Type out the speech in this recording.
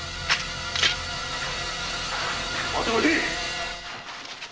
待て待て！